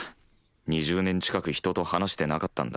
２０年近く人と話してなかったんだ。